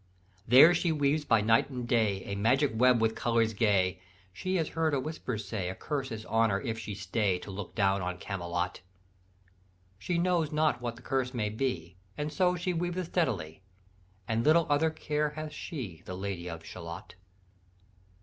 "There she weaves by night and day A magic web with colours gay. She has heard a whisper say, A curse is on her if she stay To look down on Camelot. She knows not what the curse may be, And so she weaveth steadily, And little other care hath she, The Lady of Shalott.